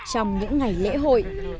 trong những ngày lễ hội